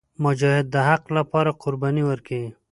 مجاهد د حق لپاره قرباني ورکوي.